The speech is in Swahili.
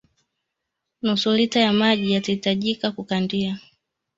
nusu lita ya maji yatahitajika kukandia